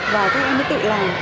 và các em đã tự làm